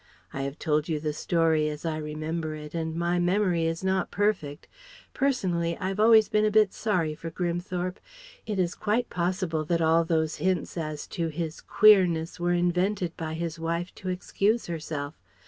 I have told you the story as I remember it and my memory is not perfect. Personally I've always been a bit sorry for Grimthorpe. It is quite possible that all those hints as to his "queerness" were invented by his wife to excuse herself.